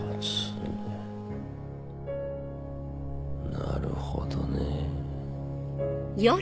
なるほどね。